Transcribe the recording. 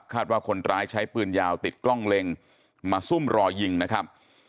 ว่าคนร้ายใช้ปืนยาวติดกล้องเล็งมาซุ่มรอยิงนะครับ